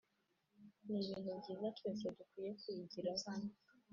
ni ibintu byiza twese dukwiye kwigiraho